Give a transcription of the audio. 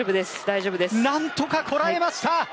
何とかこらえました。